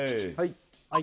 はい